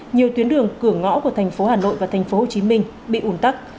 nhiều tuyến đường cửa ngõ của thành phố hà nội và thành phố hồ chí minh bị ủn tắc